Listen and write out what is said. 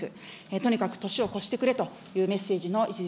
とにかく年を越してくれというメッセージの一律